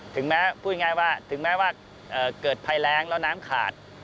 ถึงแม้พูดง่ายว่าเกิดภายแรงแล้วน้ำขาด